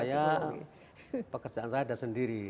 saya pekerjaan saya ada sendiri